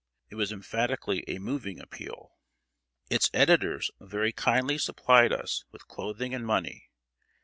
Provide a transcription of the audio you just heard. It was emphatically a moving Appeal. Its editors very kindly supplied us with clothing and money.